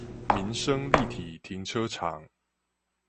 民生立體停車場